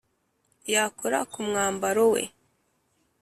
yakora ku mwambaro we,